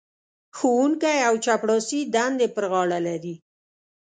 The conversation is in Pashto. ښوونکی او چپړاسي دندې پر غاړه لري.